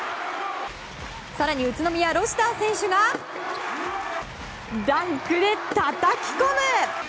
更に宇都宮、ロシター選手がダンクでたたき込む！